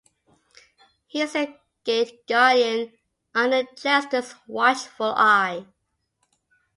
He is a Gate Guardian, under Jester's watchful eye.